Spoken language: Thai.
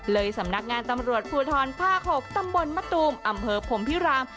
สำนักงานตำรวจภูทรภาค๖ตำบลมะตูมอำเภอพรมพิราม